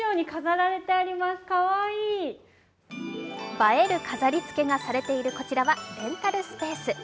映える飾りつけがされているこちらはレンタルスペース。